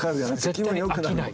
絶対に飽きない。